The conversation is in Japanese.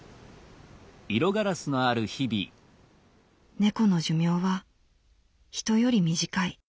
「猫の寿命はヒトより短い。